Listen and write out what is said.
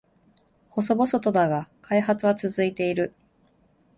細々とだが開発は続いている